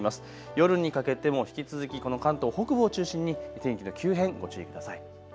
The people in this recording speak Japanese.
夜にかけても引き続きこの関東北部を中心に天気の急変ご注意ください。